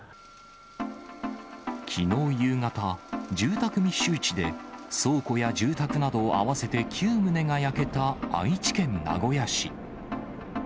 きのう夕方、住宅密集地で、倉庫や住宅など合わせて９棟が焼けた、愛知県名古屋市。